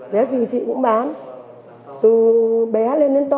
bé gì chị cũng bán từ bé lên đến to